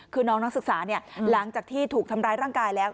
คือน้องนักศึกษาหลังจากที่ถูกทำร้ายร่างกายแล้ว